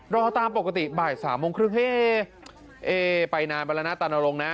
รอตามปกติบ่ายสามโมงครึ่งไปนานไปแล้วนะตานรงค์นะ